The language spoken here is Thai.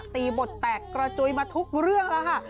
ตีบทแตกกระจุยมาทุกเรื่องแล้วค่ะ